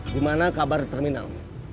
gimana kabar di terminal